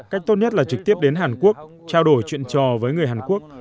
cách tốt nhất là trực tiếp đến hàn quốc trao đổi chuyện trò với người hàn quốc